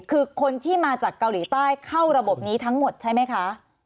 คือคนที่มาจากเกาหลีใต้เข้าระบบนี้ทั้งหมดใช่ไหมคะ